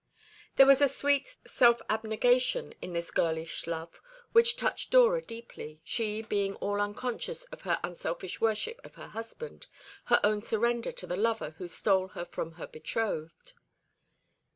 There was a sweet self abnegation in this girlish love which touched Dora deeply, she being all unconscious of her unselfish worship of her husband, her own surrender to the lover who stole her from her betrothed.